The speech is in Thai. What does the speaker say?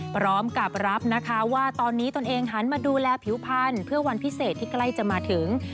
พร้อมกับรับนะคะว่าตอนนี้ตนเองหันมาดูแลผิวพันธุ์เพื่อวันพิเศษที่ใกล้จะมาถึง